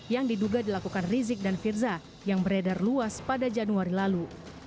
yang diduga dilakukan rizik dan firza yang beredar luas pada januari lalu